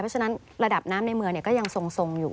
เพราะฉะนั้นระดับน้ำในเมืองก็ยังทรงอยู่